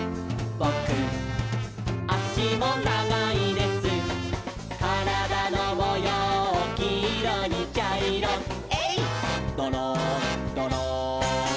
「ぼくあしもながいです」「からだのもようきいろにちゃいろ」「えいっどろんどろん」